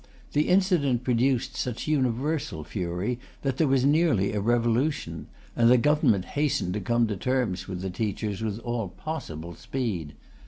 The incident produced such universal fury that there was nearly a revolution, and the Government hastened to come to terms with the teachers with all possible speed.